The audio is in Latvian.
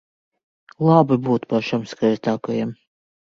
Labi būt pašam skaistākajam.